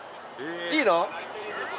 いいの？